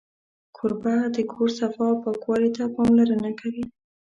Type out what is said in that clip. کوربه د کور صفا او پاکوالي ته پاملرنه کوي.